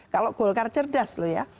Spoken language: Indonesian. kalau golkar cerdas